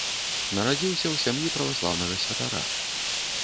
Нарадзіўся ў сям'і праваслаўнага святара.